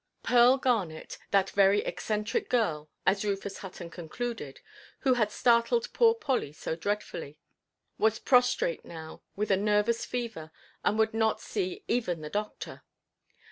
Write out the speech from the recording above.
Pearl Garnet, that very eccentric girl, as Rufus Hutton concluded, who had startled poor Polly so dreadfully, was prostrate now with a nervous fever, and would not see even the doctor.